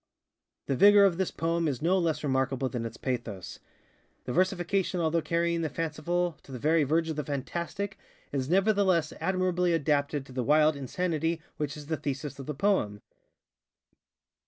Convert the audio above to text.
The vigor of this poem is no less remarkable than its pathos. The versification although carrying the fanciful to the very verge of the fantastic, is nevertheless admirably adapted to the wild insanity which is the thesis of the poem.